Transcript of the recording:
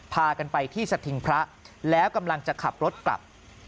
พากันไปที่สถิงพระแล้วกำลังจะขับรถกลับ